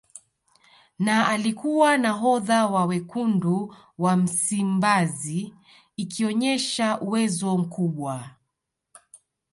Na alikuwa nahodha wa Wekundu wa Msimbazi akionyesha uwezo mkubwa